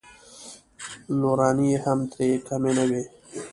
لورانې یې هم ترې کمې نه وې.